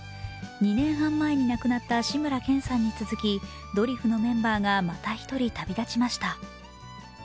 ２年半前に亡くなった志村けんさんに続き、ドリフのメンバーがまた１人旅立ちました。